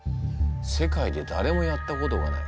世界で誰もやったことがない？